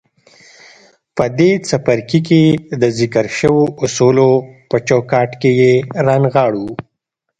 په دې څپرکي کې د ذکر شويو اصولو په چوکاټ کې يې رانغاړو.